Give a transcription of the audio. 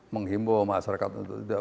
menghimbau masyarakat untuk